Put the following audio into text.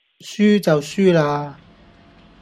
輸就輸喇